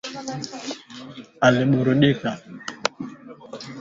Goma bulongo buko mboleo